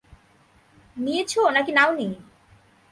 নিয়েছো না কি নাওনি?